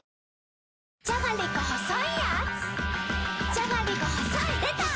じゃがりこ細いやーつ